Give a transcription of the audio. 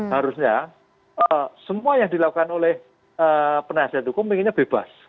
harusnya semua yang dilakukan oleh penasihat hukum inginnya bebas